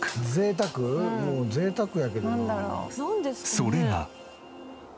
それが。